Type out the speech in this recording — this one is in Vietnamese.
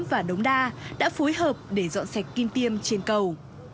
và đống đa đã phối hợp để dọn sạch kim tiêm trên cầu